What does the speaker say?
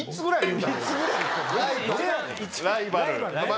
ライバル。